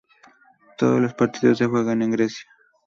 Todos los partidos se juegan en Grecia.